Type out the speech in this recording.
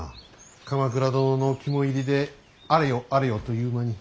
鎌倉殿の肝煎りであれよあれよという間に。